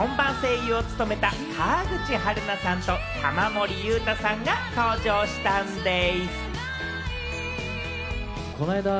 そのヒットを祝して、日本版声優を務めた、川口春奈さんと玉森裕太さんが登場したんでぃす！